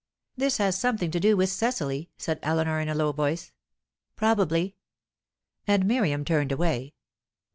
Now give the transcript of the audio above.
"This has something to do with Cecily," said Eleanor in a low voice. "Probably." And Miriam turned away.